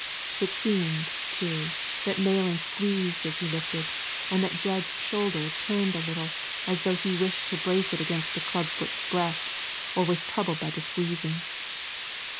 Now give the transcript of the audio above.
It seemed, too, that Malan squeezed as he lifted, and that Jud's shoulder turned a little, as though he wished to brace it against the clubfoot's breast, or was troubled by the squeezing.